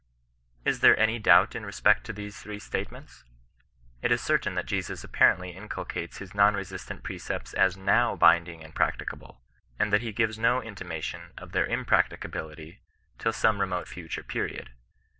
Is there any doubt in respect to these three statements ? It is certain that Jesus apparently inculcates his non resistant precepts as now binding and practicable, — and that he gives no intimation of their imprcuAioahUity tUl some remote future period.